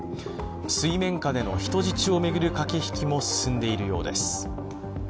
水面下での人質を巡る駆け引きも進んでいるようです。